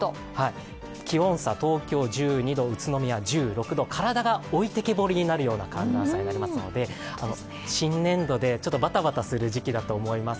気温差、東京１２度、宇都宮１６度、体が置いてけぼりになりそうな寒暖差になるので新年度でバタバタする時期だと思います。